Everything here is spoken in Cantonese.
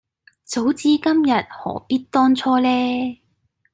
早知今日何必當初呢